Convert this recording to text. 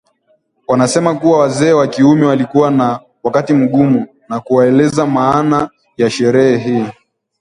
wanasema kuwa wazee wa kiume walikuwa na wakati mgumu wa kuwaeleweza maana ya sherehe hii